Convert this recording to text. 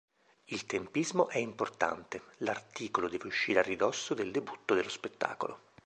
Il tempismo è importante: l'articolo deve uscire a ridosso del debutto dello spettacolo.